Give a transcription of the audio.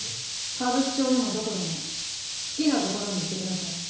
歌舞伎町でもどこでも好きなところに行ってください